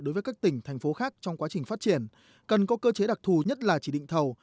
đối với các tỉnh thành phố khác trong quá trình phát triển cần có cơ chế đặc thù nhất là chỉ định thầu